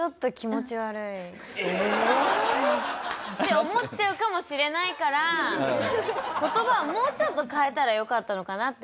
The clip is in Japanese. うん。ええ！？って思っちゃうかもしれないから言葉をもうちょっと変えたらよかったのかなって。